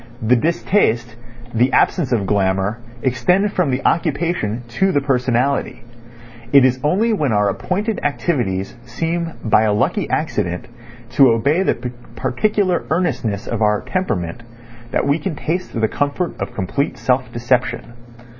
The distaste, the absence of glamour, extend from the occupation to the personality. It is only when our appointed activities seem by a lucky accident to obey the particular earnestness of our temperament that we can taste the comfort of complete self deception.